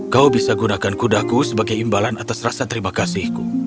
kau bisa gunakan kudaku sebagai imbalan atas rasa terima kasihku